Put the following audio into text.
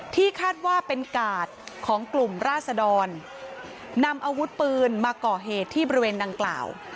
ที่คาดว่าเป็นกาดของกลุ่มราศดรนำอาวุธปืนมาก่อเหตุที่บริเวณดังกล่าว